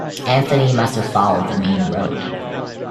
Anthony must have followed the main road.